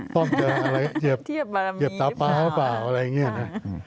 ป้อมจะเกือบตาปะหรือเปล่าอะไรอย่างนี้นะ